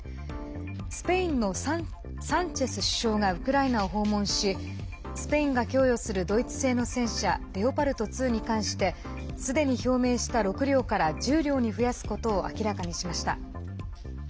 スペインのサンチェス首相がウクライナを訪問しスペインが供与するドイツ製の戦車レオパルト２に関してすでに表明した６両から１０両に増やすことを明らかにしました。